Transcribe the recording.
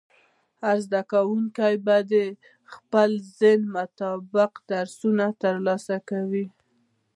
هر زده کوونکی به د خپل ذهن مطابق درسونه ترلاسه کوي.